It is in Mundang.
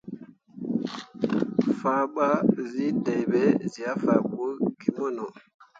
Fah ɓa zǝ deɓe zǝ ah fan bu gimeno.